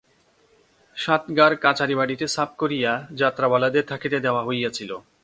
সাতগার কাছারিবাড়িটা সাফ করিয়া যাত্রাওয়ালাদের থাকিতে দেওয়া হইয়াছিল।